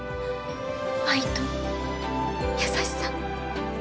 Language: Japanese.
愛と優しさ。